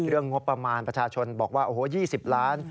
เรื่องงบประมาณประชาชนบอกว่า๒๐ล้าน